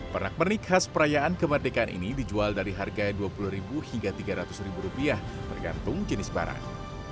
pernak pernik khas perayaan kemerdekaan ini dijual dari harga rp dua puluh hingga rp tiga ratus rupiah tergantung jenis barang